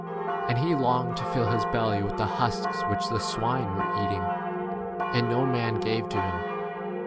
And he long ed to fill his belly with the husks m which the swine were eating ; and no man gave to J 7 him.